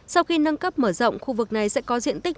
sau khi nâng cấp mở rộng khu vực này sẽ có diện tích